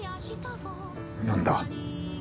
何だ？